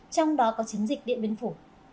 trong đó có chiến dịch điện biên phủ